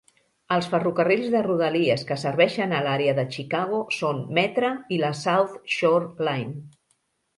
Els ferrocarrils de rodalies que serveixen a l'àrea de Chicago són Metra i la South Shore Line.